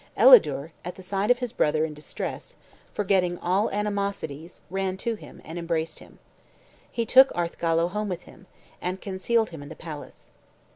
Elidure, at the sight of his brother in distress, forgetting all animosities, ran to him, and embraced him. He took Arthgallo home with him, and concealed him in the palace.